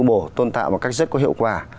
bổ tôn tạo một cách rất có hiệu quả